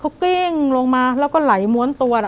เขากลิ้งลงมาแล้วก็ไหลม้วนตัว